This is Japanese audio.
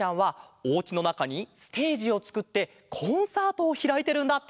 おうちのなかにステージをつくってコンサートをひらいてるんだって！